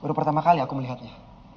baru pertama kali aku melihatnya